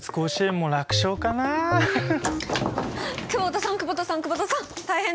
久保田さん久保田さん久保田さん大変です！